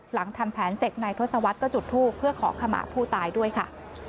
หลังทำแผนเสร็จนายทศวรรษก็จุดทูปเพื่อขอขมาผู้ตายด้วยค่ะ